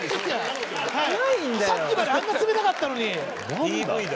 さっきまであんな冷たかったのに。